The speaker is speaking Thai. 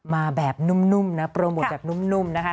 มาแบบนุ่มนะโปรโมทแบบนุ่มนะคะ